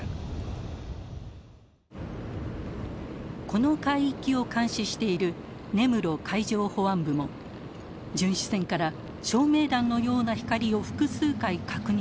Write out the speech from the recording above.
この海域を監視している根室海上保安部も巡視船から照明弾のような光を複数回確認したといいます。